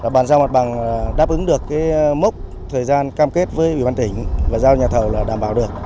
bàn giao mặt bằng đáp ứng được mốc thời gian cam kết với ủy ban tỉnh và giao nhà thầu là đảm bảo được